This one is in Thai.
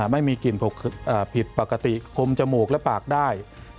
ไม่มีกลิ่นผิดปกติคมจมูกและปากได้